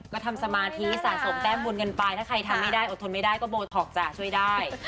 ก็ทำสมาธิสะสมแต้มบุญกันไปถ้าใครทำไม่ได้อดทนไม่ได้ก็โบท็อกจ้ะช่วยได้